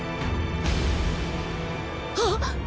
あっ！